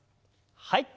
はい。